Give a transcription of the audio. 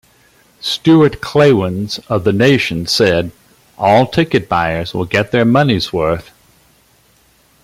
Stuart Klawans of The Nation said, All ticket buyers will get their money's worth.